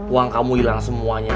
uang kamu hilang semuanya